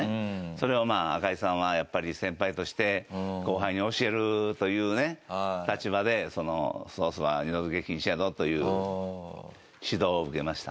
それを赤井さんはやっぱり先輩として後輩に教えるというね立場でソースは二度づけ禁止やぞという指導を受けました。